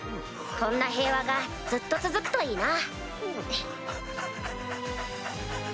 こんな平和がずっと続くといいな。